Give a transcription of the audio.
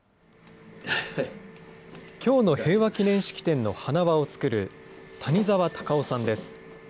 きょうの平和記念式典の花輪を作る谷沢隆夫さんです。